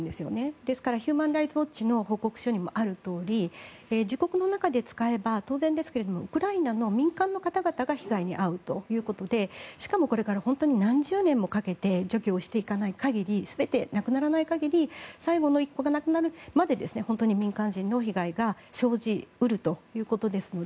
ですからヒューマン・ライツ・ウォッチの報告書にもあるとおり自国の中で使えば当然ですけれどウクライナの民間の方々が被害に遭うということでしかも、これから本当に何十年もかけて除去をしていかない限り全てなくならない限り最後の１個がなくなるまで本当に民間人の被害が生じ得るということですので